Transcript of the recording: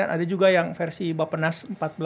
ada juga yang versi bapenas